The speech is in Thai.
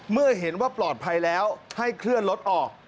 เมื่อเห็นว่าปลอดภัยแล้วให้เคลื่อนรถออก